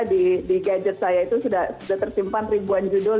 di gadget saya itu sudah tersimpan ribuan judul